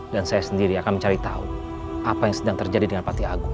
dan saya sendiri akan mencari tahu apa yang sedang terjadi dengan pati agung